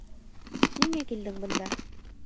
Ниңә килдең бында?